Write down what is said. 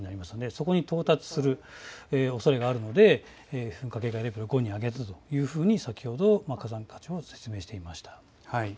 そこに到達するおそれがあるので噴火警戒レベルを５に上げたと先ほど火山課長は説明していました。